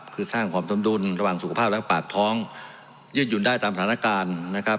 คือสร้างความสมดุลระหว่างสุขภาพและปากท้องยืดหยุ่นได้ตามสถานการณ์นะครับ